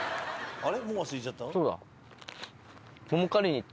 あれ。